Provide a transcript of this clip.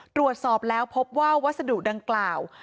ตรวจสอบแล้วพบว่าวัสดุดังกล่าว